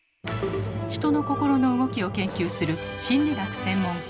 人の心の動きを研究する心理学専門家